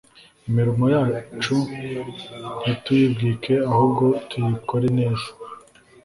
Imirimo yacu ntituyibwike ahubwo tuyikore neza